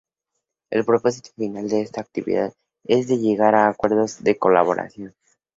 El propósito final de esta actividad es el de llegar a acuerdos de colaboración.